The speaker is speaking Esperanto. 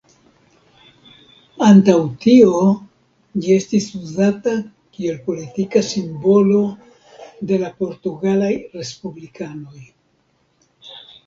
Antaŭ tio ĝi estis uzata kiel politika simbolo de la portugalaj respublikanoj.